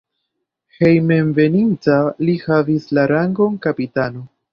Hejmenveninta li havis la rangon kapitano.